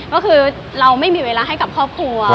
ก็คือเราไม่มีเวลาให้กับครอบครัว